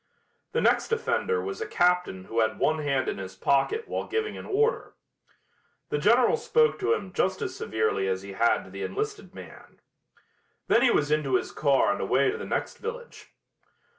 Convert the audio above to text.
The next offender was a captain who had one hand in his pocket while giving an order. The General spoke to him just as severely as he had to the enlisted man. Then he was into his car and away to the next village.